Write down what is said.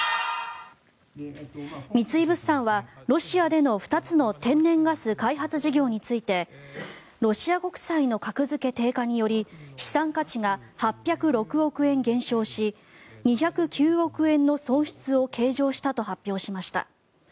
三井物産はロシアでの２つの天然ガス開発事業についてロシア国債の格付け低下により資産価値が８０６億円減少し２０９億円の損失を計上したと発表しました。